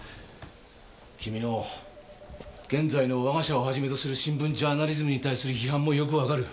君の現在のわが社を始めとする新聞ジャーナリズムに対する批判も良くわかる。